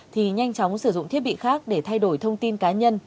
thì nhanh chóng sử dụng thiết bị khác để thay đổi thông tin cá nhân